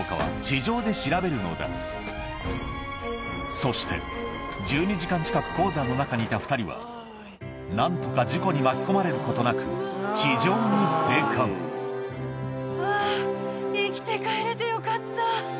そして１２時間近く鉱山の中にいた２人は何とか事故に巻き込まれることなく地上に生還うわ。